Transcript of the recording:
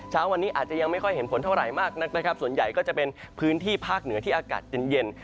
เช้าวันนี้อาจจะยังไม่ค่อยเห็นผลเท่าไหร่มากนักนะครับส่วนใหญ่ก็จะเป็นพื้นที่ภาคเหนือที่อากาศเย็นเย็น